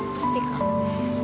ah pasti kak